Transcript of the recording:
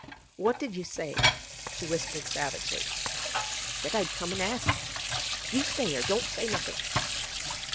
'What did you say?' she whispered savagely 'Said I'd come an' ask.' 'You stay 'ere. Don't say nothink.